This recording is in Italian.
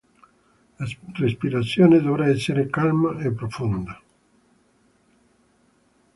La respirazione dovrà essere calma e profonda.